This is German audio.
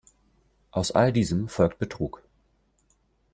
Aus all diesem folgt Betrug.